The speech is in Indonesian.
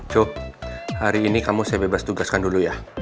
cukup hari ini kamu saya bebas tugaskan dulu ya